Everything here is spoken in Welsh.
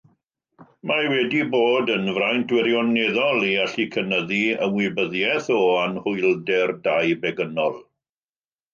Mae wedi bod yn fraint wirioneddol i allu cynyddu ymwybyddiaeth o anhwylder deubegynol.